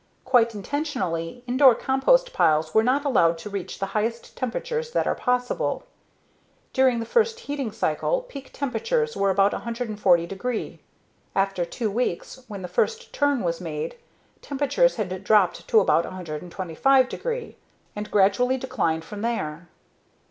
Quite intentionally, Indore compost piles were not allowed to reach the highest temperatures that are possible. During the first heating cycle, peak temperatures were about 140 degree. After two weeks, when the first turn was made, temperatures had dropped to about 125 degree, and gradually declined from there.